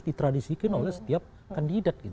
ditradisikan oleh setiap kandidat